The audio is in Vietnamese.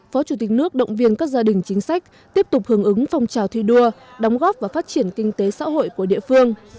phó chủ tịch nước động viên các gia đình chính sách tiếp tục hưởng ứng phong trào thi đua đóng góp và phát triển kinh tế xã hội của địa phương